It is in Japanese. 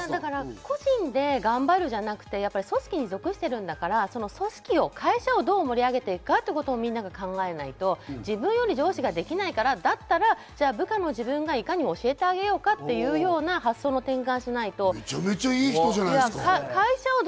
個人で頑張るんじゃなくて組織に属してるんだから、組織を会社をどう盛り上げていくかということをみんなが考えないと自分より上司ができないから、だったら部下も自分がいかに教えてあげようかというような発想の転換をめちゃめちゃいい人じゃないですか。